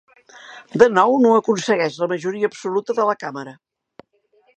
De nou no aconsegueix la majoria absoluta de la càmera.